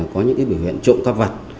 có những bệnh viện trộm các vật